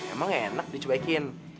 emang enak dicuekin